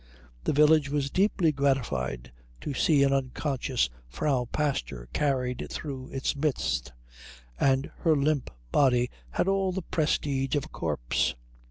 The village was deeply gratified to see an unconscious Frau Pastor carried through its midst, and her limp body had all the prestige of a corpse.